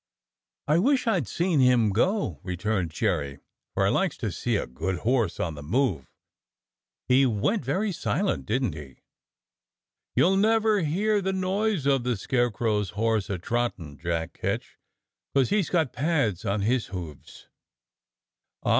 "I wish I'd seen him go," returned Jerry, "for I likes to see a good horse on the move. He went very silent, didn't he.?" "You'll never hear the noise of the Scarecrow's horse a trottin', Jack Ketch, 'cos he's got pads on his hoofs. Ah!